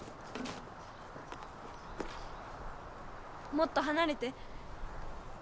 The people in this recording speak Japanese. もっとはなれて。